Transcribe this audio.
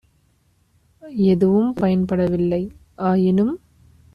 எதுவும் பயன்பட வில்லை ஆயினும்